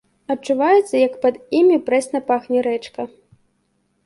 Адчуваецца, як пад імі прэсна пахне рэчка.